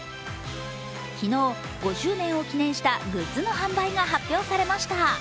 昨日、５周年を記念したグッズの販売が発表されました。